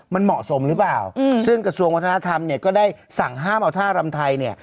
มันเหมาะสมหรือเปล่าซึ่งกระทรวงวัฒนธรรมเนี่ยก็ได้สั่งห้ามเอาท่ารำไทยเนี่ย